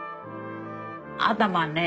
頭ね